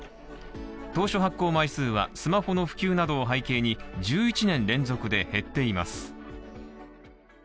当初発行枚数は、スマホの普及などを背景に、１１年連続で減っています。